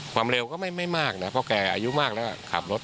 ความเร็วก็ไม่มากนะเพราะแกอายุมากแล้วขับรถ